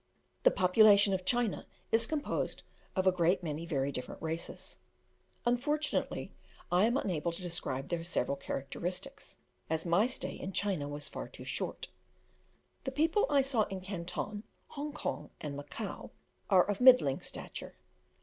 The population of China is composed of a great many very different races: unfortunately, I am unable to describe their several characteristics, as my stay in China was far too short. The people I saw in Canton, Hong Kong, and Macao, are of middling stature.